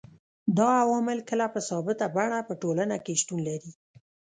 دا عوامل کله په ثابته بڼه په ټولنه کي شتون لري